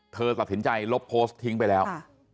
เธอควรลบจากต้นจ่ายลบโพสต์ทิ้งไปแล้ว